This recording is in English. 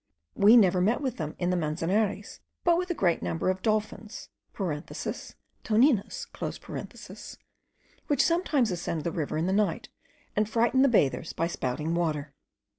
We never met with them in the Manzanares, but with a great number of dolphins (toninas), which sometimes ascend the river in the night, and frighten the bathers by spouting water.